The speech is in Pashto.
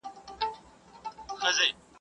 ځينې سيمې ډېرې تودې دي.